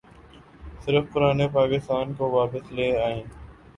صرف پرانے پاکستان کو واپس لے آئیے۔